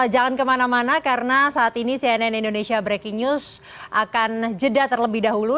jangan kemana mana karena saat ini cnn indonesia breaking news akan jeda terlebih dahulu